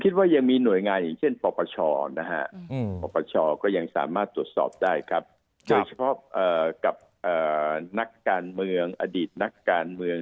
โดยเฉพาะกับนักการเมืองอดีตนักการเมือง